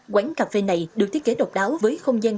quán cà phê này được thiết kế độc đáo với không gian